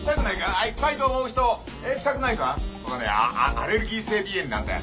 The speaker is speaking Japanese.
アレルギー性鼻炎なんだよ。